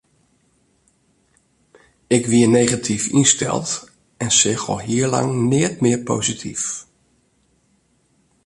Ik wie negatyf ynsteld en seach al hiel lang neat mear posityf.